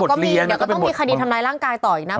ก็มีเดี๋ยวก็ต้องมีคดีทำร้ายร่างกายต่ออีกนะ